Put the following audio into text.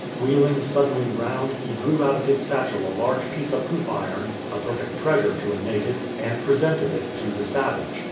Wheel ing suddenly round, he drew out of his satchel a large piece of hoop iron, a perfect treasure to a native, and pre sented it to the savage.